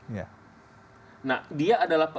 ya nah dia adalah